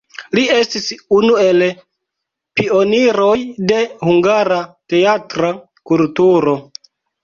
Li estis unu el pioniroj de hungara teatra kulturo.